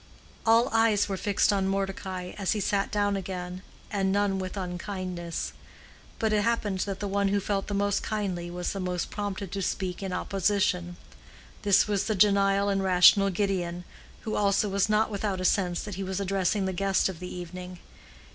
All eyes were fixed on Mordecai as he sat down again, and none with unkindness; but it happened that the one who felt the most kindly was the most prompted to speak in opposition. This was the genial and rational Gideon, who also was not without a sense that he was addressing the guest of the evening.